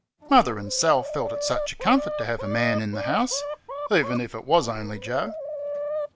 Mother and Sal felt it such a comfort to have a man in the house even if it was only Joe.